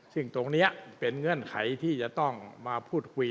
ซึ่งตรงนี้เป็นเงื่อนไขที่จะต้องมาพูดคุย